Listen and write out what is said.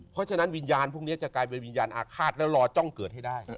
เพราะฉะนั้นวิญญาณพวกนี้จะกลายเป็นวิญญาณอาฆาตแล้วรอจ้องเกิดให้ได้